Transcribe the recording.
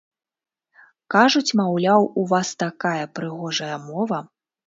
Кажуць, маўляў, у вас такая прыгожая мова!